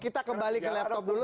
kita kembali ke laptop dulu